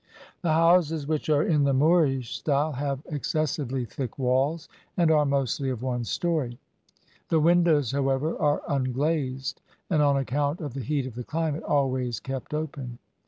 The houses, which are in the Moorish style, have excessively thick walls, and are mostly of one storey. The windows, however, are unglazed, and, on account of the heat of the climate, always kept open.